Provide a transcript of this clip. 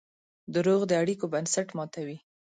دروغ د اړیکو بنسټ ماتوي.